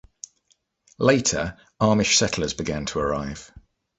Later, Amish settlers began to arrive.